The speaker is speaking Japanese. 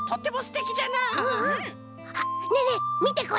あねえねえみてこれ！